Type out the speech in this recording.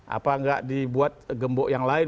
apakah tidak dibuat gembok yang lain